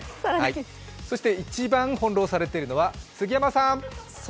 そして一番翻弄されているのは杉山さん。